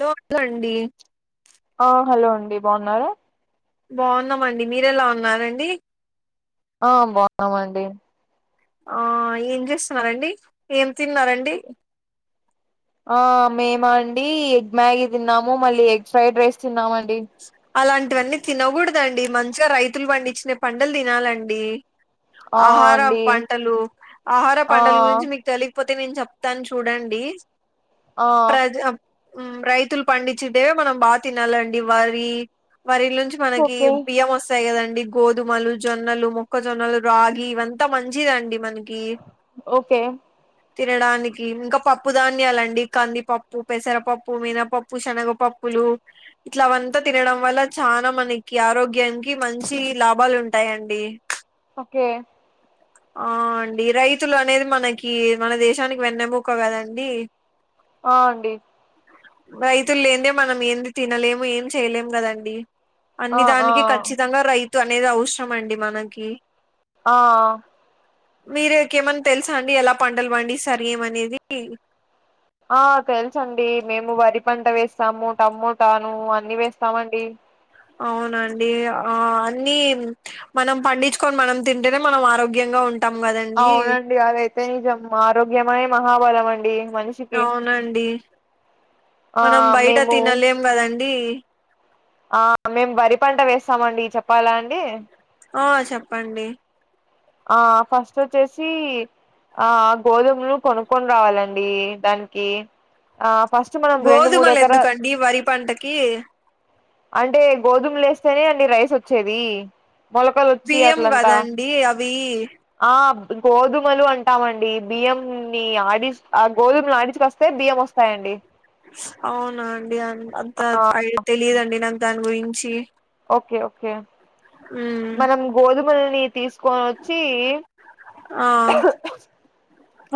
లోపలండి మీ బాన్నారా బాన్నామండి మీరు ఎలా ఉన్నారండి ఆ బాగున్నామండి ఆ ఏం చేస్తున్నారండి ఏం తిన్నా రండి ఆ మేమ అండి ఎగ్ మ్యాగీ తిన్నాము మళ్ళీ ఎగ్ ఫ్రైడ్ రైస్ తిన్నామం అలాంటివన్నీ తినకూడదండి మంచిగా రైతులు పండించిన పంటలు తినాలండి ఆ ఆహార అండి పంటలు ఆహార ఆ పంటలు గురించి మీకు తెలి పోతే నేను చెప్తాను చూడండీ ఆ హ్మ్ రైతులు పండించిదే మనం బా తినాలండి వరీ వరిలుంచి మనకి ఓకే బియ్యం వస్తాయి కదం డి గోధుమలు జొన్నలు మొక్కజొన్నలు రాగి ఇవంతా మంచిదండి మన ఓకే తినడానికి ఇంగ పప్పు ధాన్యాలండి కందిపప్పు పెసరపప్పు మీనపప్పు శనగపప్పు బ్లూ ఇట్ల అవంతా తినడం వల్ల చాలా మనకి ఆరోగ్యానికి మంచి లాభాలు ఉంటాయండి ఓకే ఆ అండి రైతులు అనేది మనకి మన దేశానికి వెన్నెముక్క కదండి ఆ అండి రైతులు లేందే మనం ఏంది తినలేము ఏం చేయలేము కదండి ఆ అన్ని ఆ దానికి ఖచ్చితంగా రైతు అనేది అవసరం అండి మనకి ఆ మీరేకి ఏమన్నా తెలుసా అండి ఎలా పంటలు పండిస్తారు ఏమి అనేది ఆ తెలుసండి మేం నువ్వు వరి పంట వేస్తాము టమోటాను అన్ని వేస్తామండి అవునండి ఆ అన్ని మనం పండించుకొని మనం తింటేనే మనం ఆరోగ్యంగా ఉం అవునండి అదైతే నిజం ఆరోగ్యమే మహాబలమండి అవునండి ఆ మనం బయట మేము తినలేం కదండి ఆ మేం వరి పంట వేస్తామండి చెప్పాలా అండి ఆ చెప్పండి ఆ ఫస్ట్ వచ్చేసీ ఆ గోధుమలు కొనుక్కొని రావాలండి దానికి ఆ ఫస్ట్ మనం రెండు మూడు గోధుమలు ఎకరా ఎందుకండీ వరి పంటకీ అంటే గోధుమలు వేస్తేనే అండి రైస్ వచ్చేది మొలకలు వచ్చి బియ్యం అట్లంతా కదండి అవి ఆ గోధుమలు అంటామండి బియ్యంని ఆడిస్ ఆ గోధుమలు ఆడిచ్కస్తే బియ్యం వస్తాయండి అవునా అండి అం అంత ఐ తెలియదండి నాకు దాని గురించి ఓకే ఓకే ఉమ్ మనం గోదామల్ని కొను వచ్చి ఆ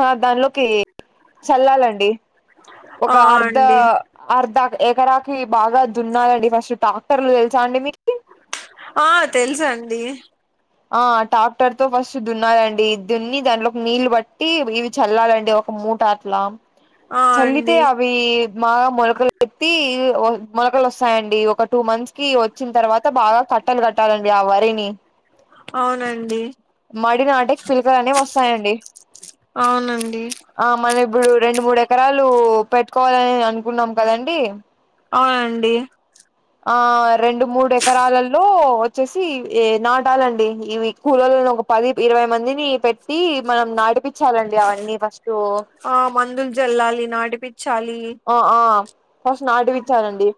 ఆ దానిలోకి చల్లాలండి ఒక ఆ అర్ధ అండి అర్ధక్ ఎకరాకి బాగా దున్నాలండి ఫస్ట్ ట్రాక్టర్లు తెలుసా అండి మీకి ఆ తెలుసండి ఆ టాక్టర్ తో ఫస్ట్ దున్నాలండి దున్ని దాంట్లోకి నీళ్ళు బట్టి ఇవి చల్లాలండి ఒక మూటాట్లా ఆ చల్లితే అండి అవి బాగా మొలకలు ఎత్తి ఓ మొలకలు వస్తాయండి ఒక టూ మంత్స్ కి వచ్చిన తర్వాత బాగా కట్టలు కట్టాలండి ఆ వరిని అవునండి మడి నాటకి పిలకలు అని వస్తాయండి అవునండి ఆ మన ఇప్పుడు రెండు మూడు ఎకరాలు పెట్టుకోవాలని అనుకున్నాం కదండి అవునండి ఆ రెండు మూడు ఎకరాలలో వచ్చేసి ఏ నాటాలండి ఇవి కూలల్లో ఒక పది ఇరవై మందిని పెట్ టి మనం నడిపించాలండి అవన్నీ ఫస్ట్ ఆ మందులు జల్లాలి నాటిపిచ్చాలి ఆ ఆ ఫస్ట్ నాటి ఇచ్చానండి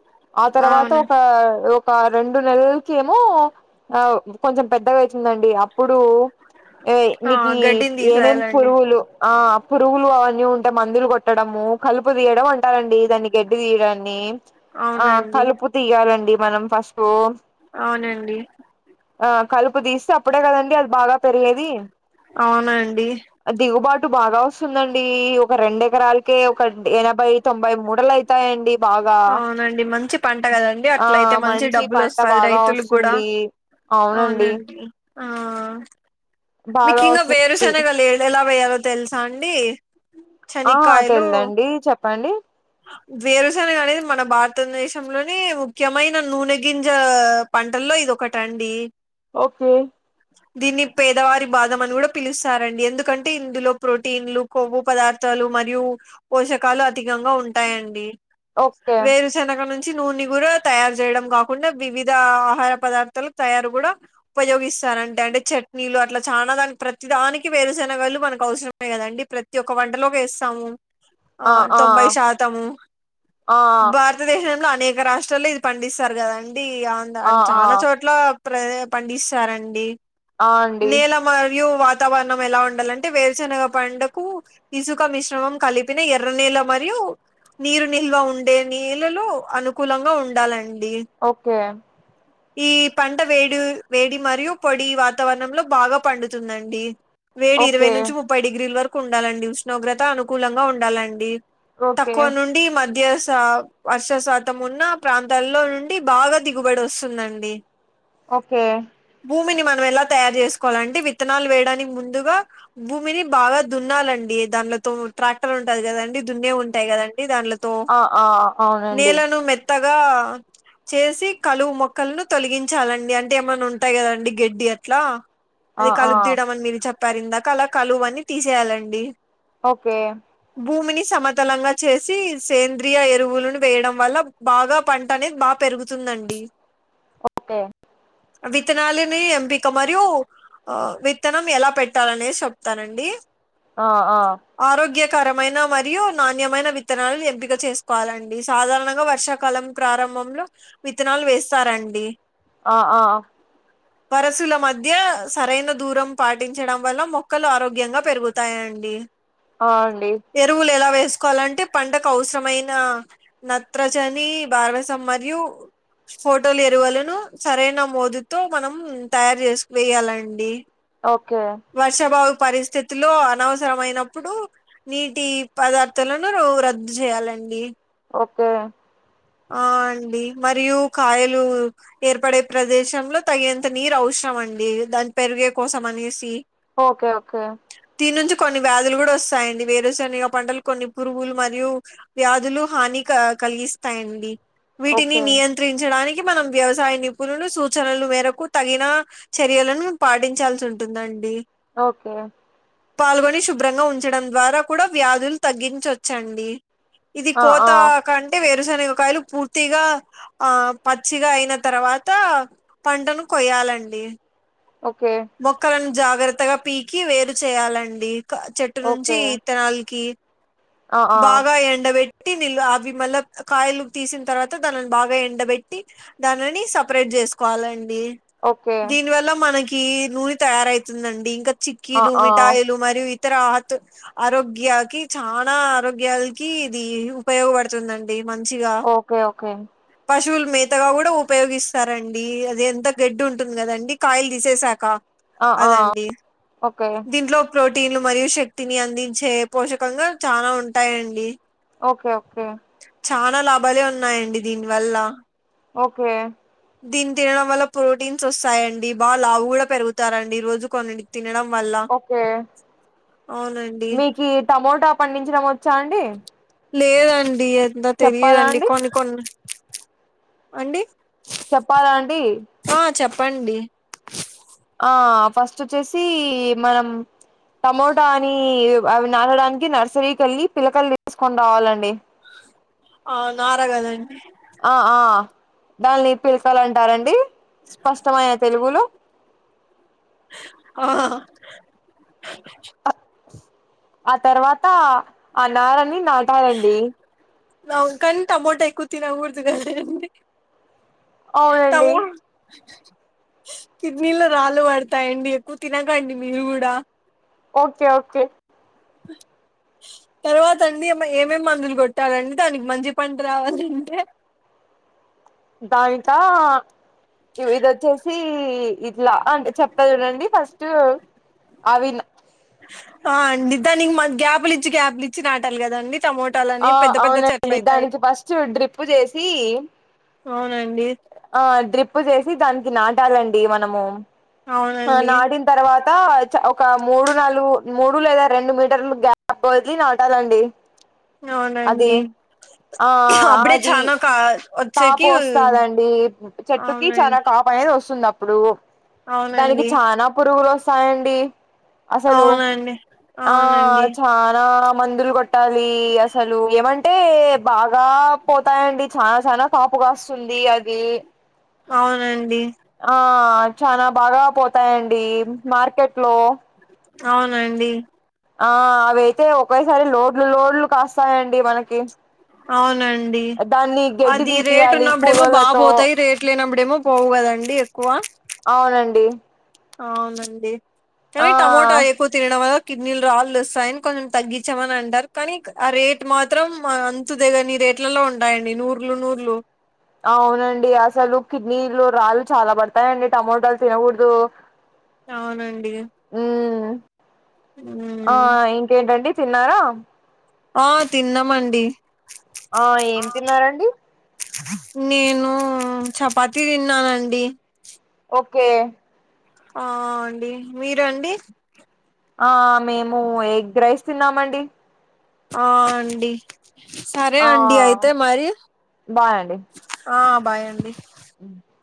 ఆ తర్వాత అవును ఒక ఒక రెండు నెలలకి ఏమో ఆ కొంచెం పెద్దగాయితే తూదండి అప్పుడు ఏఈ ఆ నీకి గడ్డిని ఏమేం తీసేయాలండి పురుగులు ఆ పురుగులు అవన్నీ ఉంటే మందులు కొట్టడము కలుపు తీయడం అంటారండి దాన్ని గడ్డి తీయడాన్ని ఆ అవునండి కలుపు తీయాలండి మనం ఫసుపు అవునండి ఆ కలుపు తీస్తే అప్పుడే కదండి అది బాగా పెరిగేది అవునండి దిగు బట్ టు బాగా ఓస్తుందండి ఒక రెండ ఎకరాలకే ఒక ఎనభై తొంభై మూడలయితాయండి అవునండి మంచి పంట కదండి ఆ అట్ల అయితే మంచి డబ్బులు పంట ఓస్తది బాగా రైతులకు గుడా వస్తుంది అవునండి ఆ మీకు బాగా ఇంగ వేరు వస్తుంది సెనగలేదిఎలా వేయాలో తెలుసా అండి ఆ శనక్కాయలు తెలిదండి చెప్పండి వేరుసెనగ అనేది మన భారతదేశంలోని ముఖ్యమైన నూనె గింజా పంటల్లో ఇది ఒకట అండి ఓకే దీన్ని పేదవారి బాదమని కూడా పిలుస్తారండి ఎందుకంటే ఇందులో ప్రోటీన్లు క్రొవ్వు పదార్థాలు మరియు పోస షాకాలు అధికంగా ఉంటాయండి ఓకే వేరు శనగ నుంచి మంచి నూనె కూడా తయారు చేయడం కాకుండా వివిధ ఆహార పదార్థాల తయారు కూడా ఉపయోగిస్త సార అంటే అంటే చట్నీలు అట్లా చాలనా దానికి ప్రతి దానికి వేరుసనగాళ్ళలు మనకు అవసరమే కదండి ప్రతి ఒక్క వంటలోకి వేస్తాము ఆ తొంభై శాతము ఆ భారతదేశ అనేక రాష్ట్రాల్లో ఇది పండిస్తారు కదా అండింధ ఆ ఆ చాలా చోట్ల ప్ర పండిస్తారండి ఆ అండి నేల మరియు వా తావరణం ఎలా ఉండాలంటే వేరుశనగ పడుకు ఇసుక మిశ్రమం కలిపిన ఎర్ర నీళ్ళ మరియు నీరు నిల్వ ఉండే నీళ్లలో అనుకూలంగా ఉండాలండి ఓకే ఈ పంట వేడి వేడి మరియు పొడి వాతావరణంలో బాగా పండుతుందండి వేడి ఇరవై ఓకే నుంచి ముప్పై డిగ్రీల వరకు ఉండాలండి ఉష్ణోగ్రత అనుకూలంగా ఉండాలండి ఓకే తక్కువ నుండి మధ్య వర్ష శాతం ఉన్న ప్రాంతాల్లో నుండి బాగా దిగుబడి వస్తుందండి ఓకే భూమిని మనం ఎలా తయారు చేస్త కో లండి విత్తనాలు వేయడానికి ముందుగా భూమిని బాగా దున్నాలండి దానిలతో ట్రాక్టర్ కదండి దున్నే ఉంటాయి కదండి దాం ఆ ఆ అవునండి నేలను మే తగా చేసి కలువు మొక్కలను తొలగించాలండి అంటే ఏమైన్నా ఉంటాయి కదండి గడ్డి అట్లా ఆ అది ఆ కలుపు తీయడం అని మీరు చెప్పారు ఇందాక అలా కలువ అని తీసేయాలండి ఓకే భూమిని సమతలంగా చేసి సేంద్రియ ఎరువులను వేయడం వల్ల బాగా పంట అనేది బాగా పెరుగుతుంది అండి ఒకఓతేే వితనాాల న ఎంపీ క మరి ఆ విత్తనం ఎలా పెట్టాలనేసి చెప్తానండి ఆ ఆ కరమైన మరియు నాణ్యమైన విత్తనాాలను ఎంపిక చేసుకోవాలండి సాధారణంగా వర్షాకాలం ప్రారంభం లో విత్తనాలు వేస్తారండి ఆ ఆ పరశుల మధ్య సరైన దూరం పాటించడం వల్ల మొక్కలు ఆరోగ్యంగా పెరుగుతాయండి అ అండి తీసుకోవాలంటే పంటకు అవసరమైన నత్రచని భారవసం మరియు ఫోటోలు ఎరువులను సరైన మోదుతో మనం తయారు చేసువేయాలండి ఓకే పరిస్థితులో అనవసరమయిైనప్పుడు నీటి పదార్థాలను రద్దు చేయాలండి ఓకే ఆ అండి మరియు కాయలు ఏర్పడే ప్రదేశంలో తగినంత నీరు అఔస ఇం అండి దాని పెరిగే కోసం అనేసి ఓకే ఓకే దీని నుంచి కొన్ని వ్యాధులు కూడా వస్తాయండి వేరే శనిగా పంటలు కొన్ని పురుగులు మరియు వ్యాధులు హాని కలిగిస్తాయిడి వీటిని ఓకే నియంత్రించడానికి మనం వ్యవసాయ నిపుణులు సూచనలు మేరకు తగిన చర్యలను పాటించాల్సి ఉంటుందండి ఓకే పాల్గొని శుభ్రంగా ఉంచడం ద్వారా కూడా వ్యాధులు తగ్గించొచ్చండి ఇది ఆ ఆ కోతా కంటే వేరే శనియలు పూర్తిగా ఆ పచ్చిగా అయిన తర్వాత పంటను కొయ చాలండి ఓకే జాగ్రత్తగా పీకి వేరు చేయాలండి చెట్టు ఓకే నుంచిత్తనాలకి ఆ ఆ బాగా ఎండవెట్ ట్టి అవి మళ్ళ కాయలు తీసిన తర్వాత దానిని బాగా ఎండబెట్టి దానిని సపరేట్ చేసుకోవాలండి ఓకే దీనివల్ల మనకి నూనె తయారవుతుందండి ఇంకా ఆ చక్కీలు ఆ మిఠాయిలు మరియు ఇతర ఆరోగ్యాకి చాలా ఆరోగ్యాలకి ఇది ఉపయోగపడుతుందండి మంచిగా ఓకే ఓకే పశువులు మేతగా కూడా ఉపయోగిస్తారంండి అది ఎంత గడ్డు ఉంటుంది కదండి కాయలు తీసేసాక ఆ ఆ అదండి ఓకే దీంట్లో ప్రోటీ టీలు మరియు శక్తిని అందించే పోషకంగా చాలా ఉంటాయండి ఓకే ఓకే చాలా లాభాలే ఉన్నాయండి దీని వల్ల ఓకే దీని తినడం వల్ల ప్రోటీన్స్ వస్తాయండి బాగా లావు కూడా పెరుగుతారండి రోజు కొన్ని ఓకే అవునండి మీకు టమోటా పండించడంమ చాండ లేదండి అంత తెలియదండి కొన్ని కొన్ని అండి చెప్పాల అంటడి ఆ చెప్పండి ఆ ఫస్ట్ వచ్చేసి మనం టమోటా అని అవి నాడడానికి నర్సరీకిళ్ళి పిలకలు తీసుకొని రావాలండి అవునారగాదండి దానిని పిలసలంటారండి స్పష్టమైన తెలుగులో ఆ ఆ తర్వాత ఆ నారని నాటాలండి కానీ టమోటా ఎక్కువ తినకూడదు కదండి అవునండి టమో కిడ్నీలో రాళ్ళు పడతాయండి ఎక్కువ తినకండి మీరు కూడా ఓకే ఓకే ఆ తర్వాత అండి ఏమేం మందులు కొట్టాలండి దానికి మంచి పంట రావాలంటే [inaudible] దానికా ఇదొచ్చేసి ఇట్లా అంటే చెప్తా చూడండి ఫస్ట్ అవిలా ఆ అండి దానికి గ్యాప్లు ఇచ్చి గ్యాప్లు ఇచ్చి నాటాలి కదా అండి ఆ అవునండి దానికి ఫస్ట్ డ్రిప్పు చేసి అవునండి ప్పు చేసి దానికి నాటాలండి మనము ఆ అవునండి నాటిన తర్వాత ఒక మూడు నాలుగు మూడు లేదా రెండు మీటర్లు గ్యాప్ వదిలి నాటాలండి అది అవునండి ఆ అప్పుడే అది చానా కా కాపు వచ్చేకి వస్తాదండి చెట్టుకి అవునండి చానా కాపు పైన వస్తుంది అప్పుడు దానికి అవునండి చనా పురుగులు వస్తాయండి అసలు అవునండి ఆ అవునండి ఛానా మందులు కొట్టాలి అసలు ఏమంటే బాగా పోతాయండి చాల చనా కాపు కాస్తుంది అది అవునండి ఆ చాలా బాగా పోతాయండి మార్కెట్ లో అవునండి ఆ అవైతే ఒకేసారి లోడ్లు లోడ్లు కాస్తాయండి మనకి అవునం దాన్ని గడ్డి డి రేట్ తీపియాలి ఉన్నప్పుడేమో బా కూలోళ్ళతో పోతాయి రేట్ లేనప్పుడేమో పోవు కదండి ఎక్కువ అవునండి అవునండి ఆ కానీ టమోటా ఎక్కువ తినడం వల్ల కిడ్నీలు రాళ్వస్తాయని కొంచెం తగ్గించామని అంటారు కానీ ఆ రేట్ మాత్రం అంతు దెగనిదె ట్లలో ఉండాయండి నూర్లు నూర్లు అవునండి అసలు కిడ్నీలు రాళ్లుచాలా పడతాయండి టమోటాలు తినకూడదు అవునండి మ్మ్ ఆ మ్మ్ ఇంకేంటండి తిన్నారా ఆ తిన్నామండి ఆ ఏం తిన్నారండి నేను చపాతీ తిన్నానండి ఓకే ఆ అండి మీరూ అండి ఆ మేము ఎగ్ రైస్ తిన్నామండి ఆ అండి సరే ఆ అండి అయితే మరి బాయ్ అండి ఆ బాయ్ అండి [inaudible]